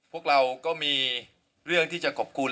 พวกเราก็มีเรื่องที่จะขอบคุณ